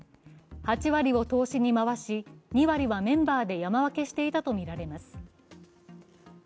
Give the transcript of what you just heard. ８割を投資に回し、２割はメンバーで山分けしていたとみられます。